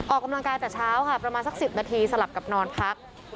ออกกำลังกายแต่เช้าค่ะประมาณสัก๑๐นาทีสลับกับนอนพัก